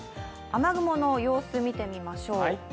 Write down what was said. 雨雲の様子を見てみましょう。